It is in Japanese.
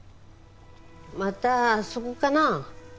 またあそこかな？